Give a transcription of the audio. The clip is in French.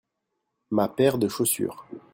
ma paire de chaussures.